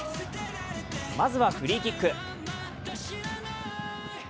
まずはフリーキック。